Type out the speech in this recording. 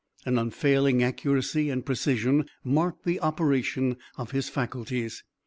An unfailing accuracy and precision marked the operation of his faculties.